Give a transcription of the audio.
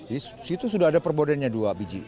di situ sudah ada perbodennya dua biji